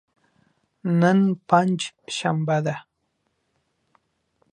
نن پنج شنبه ده.